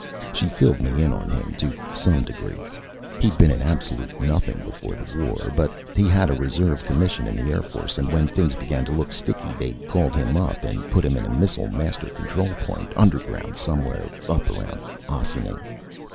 She filled me in on him, to some degree. He'd been an absolute nothing before the war; but he had a reserve commission in the Air Force, and when things began to look sticky, they'd called him up and put him in a Missile Master control point, underground somewhere up around Ossining.